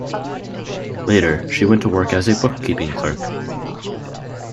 Later, she went to work as a bookkeeping clerk.